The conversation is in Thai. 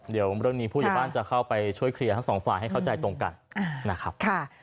เดี๋ยวเรื่องนี้ผู้ใหญ่บ้านจะเข้าไปช่วยเคลียร์ทั้งสองฝ่ายให้เข้าใจตรงกันนะครับ